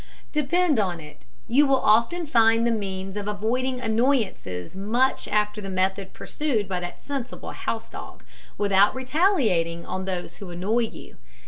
Depend on it, you will often find the means of avoiding annoyances much after the method pursued by that sensible house dog, without retaliating on those who annoy you.